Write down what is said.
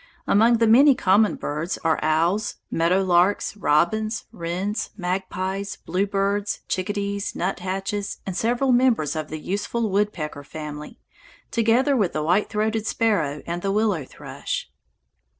Among the many common birds are owls, meadowlarks, robins, wrens, magpies, bluebirds, chickadees, nuthatches, and several members of the useful woodpecker family, together with the white throated sparrow and the willow thrush.